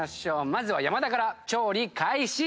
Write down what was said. まずは山田から調理開始。